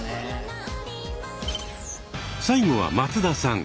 最後は松田さん。